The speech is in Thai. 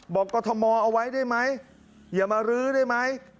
กรทมเอาไว้ได้ไหมอย่ามารื้อได้ไหม